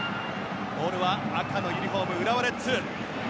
ボールは赤のユニホーム浦和レッズ。